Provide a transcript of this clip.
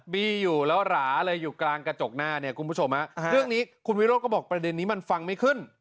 อยู่แล้วหราเลยอยู่กลางกระจกหน้าเนี่ยคุณผู้ชมฮะเรื่องนี้คุณวิโรธก็บอกประเด็นนี้มันฟังไม่ขึ้น